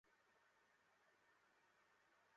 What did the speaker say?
আর তখনই সে আমার উপর চড়ে উঠল।